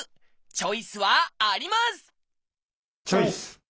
チョイス！